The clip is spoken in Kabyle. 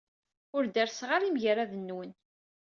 Ur derrseɣ ara imagraden-nwen.